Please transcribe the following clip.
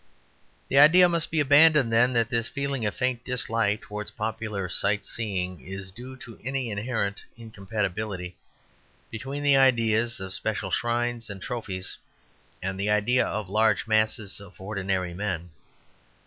The idea must be abandoned, then, that this feeling of faint dislike towards popular sight seeing is due to any inherent incompatibility between the idea of special shrines and trophies and the idea of large masses of ordinary men.